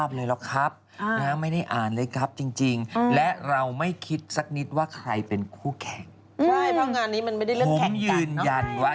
เพราะงานนี้มันไม่ได้เรื่องแข่งกัน